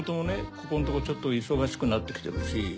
ここんとこちょっと忙しくなってきてるし。